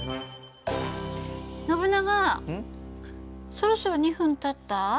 そろそろ２分たった？